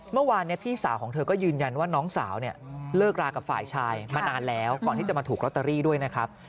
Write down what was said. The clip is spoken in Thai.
เมื่อวานพี่สาวของเธอก็ยืนยันว่าน้องสาวเนี่ยเลิกรากับฝ่ายชายมานานแล้วก่อนที่จะมาถูกลอตเตอรี่ด้วยนะครับ